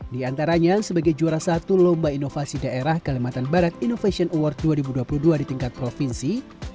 di antaranya sebagai juara satu lomba inovasi daerah kalimantan barat innovation award dua ribu dua puluh dua di tingkat provinsi